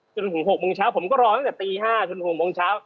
จนถึง๖โมงเช้าผมก็รอตั้งแต่ตี๕จน๖โมงเช้า